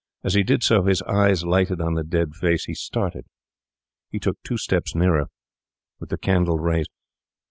As he did so his eyes lighted on the dead face. He started; he took two steps nearer, with the candle raised.